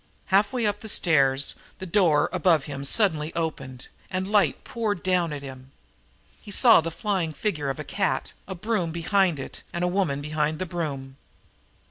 Halfway up the stairs, the door above him suddenly opened and light poured down at him. He saw the flying figure of a cat, a broom behind it, a woman behind the broom.